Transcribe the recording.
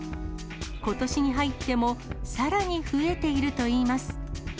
ことしに入っても、さらに増えているといいます。